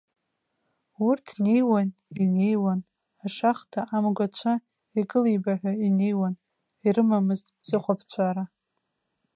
Урҭ неиуан, инеиуан ашахта амгәацәа икылибаҳәа, инеиуан, ирымамызт ҵыхәаԥҵәара.